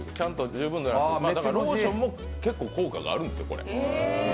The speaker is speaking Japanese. ローションも結構効果あるんです。